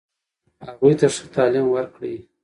هغوی ته ښه تعلیم ورکړئ.